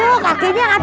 jangan pakai nyangkut